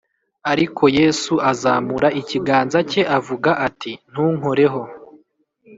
” ariko yesu azamura ikiganza cye avuga ati, ntunkoreho,